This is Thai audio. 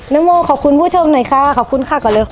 โมขอบคุณผู้ชมหน่อยค่ะขอบคุณค่ะก่อนเลย